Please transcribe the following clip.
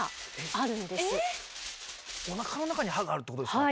おなかの中に歯があるってことですか？